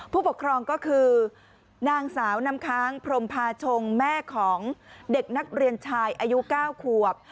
ผู้ปกครองก็คือนางสาวน้ำค้างพรมพาชงแม่ของเด็กนักเรียนชายอายุ๙ขวบ